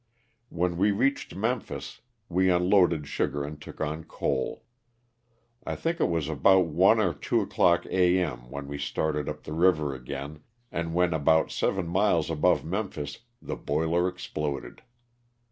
When we reached Memphis we unloaded sugar and took on coal. I think it was about one or two o'clock a. m. when we started up the LOSS OF THE SULTA^ A. 259 river a^ain, and when about seven miles above Memphis the boiler exploded.